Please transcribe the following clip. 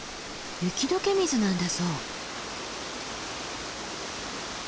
雪解け水なんだそう。